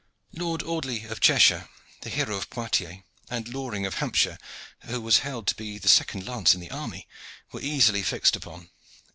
Lord Audley of Cheshire, the hero of Poictiers, and Loring of Hampshire, who was held to be the second lance in the army, were easily fixed upon.